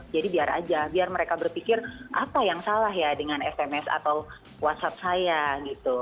jadi biar aja biar mereka berpikir apa yang salah ya dengan sms atau whatsapp saya gitu